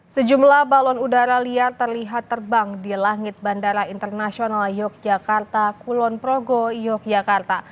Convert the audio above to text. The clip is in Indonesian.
sejumlah balon udara liar terlihat terbang di langit bandara internasional yogyakarta kulon progo yogyakarta